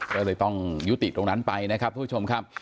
ก็เลยต้องยุติตรงนั้นไปนะครับทุกผู้ชมครับ